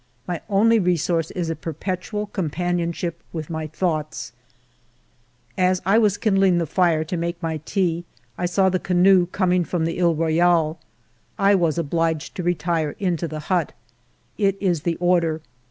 My only resource is a perpetual companionship with my thoughts ! As I was kindling the fire to make my tea, I saw the canoe coming from the He Royale. I was obliged to retire into the hut. It is the order.